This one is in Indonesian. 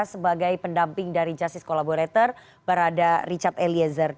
sebagai pendamping dari justice collaborator barada richard eliezer